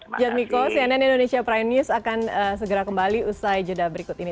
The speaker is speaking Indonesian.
mas jatmiko cnn indonesia prime news akan segera kembali usai jeda berikut ini